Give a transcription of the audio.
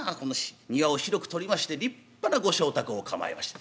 庭を広くとりまして立派なご妾宅を構えました。